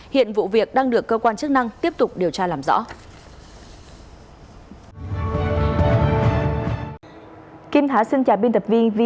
hiện vụ việc đang được cơ quan chức năng tiếp tục điều tra